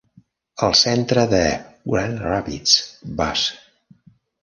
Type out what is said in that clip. Al centre de Grand Rapids, Bus.